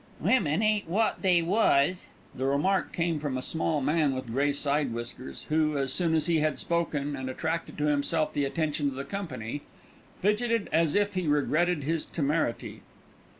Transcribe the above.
"Women ain't wot they was." The remark came from a small man with grey side whiskers who, as soon as he had spoken and attracted to himself the attention of the company, fidgeted as if he regretted his temerity.